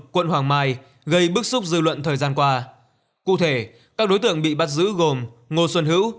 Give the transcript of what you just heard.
quận hoàng mai gây bức xúc dư luận thời gian qua cụ thể các đối tượng bị bắt giữ gồm ngô xuân hữu